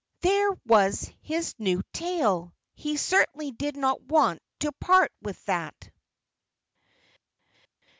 There was his new tail! He certainly did not want to part with that!